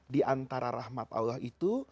di antara rahmat allah itu